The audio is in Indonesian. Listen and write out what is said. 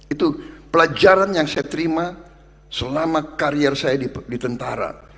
itu pelajaran yang saya terima selama karier saya di tentara